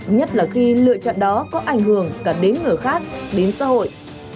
nhất là khi lựa chọn đó có ảnh hưởng cả đến người khác đến xã hội